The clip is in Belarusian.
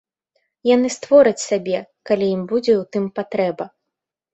Яны створаць сабе, калі ім будзе ў тым патрэба.